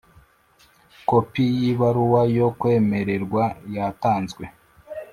D kopi y ibaruwa yo kwemererwa yatanzwe